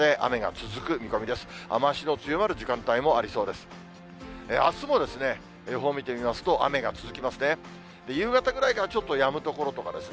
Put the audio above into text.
あすも予報見てみますと、雨が続きますね。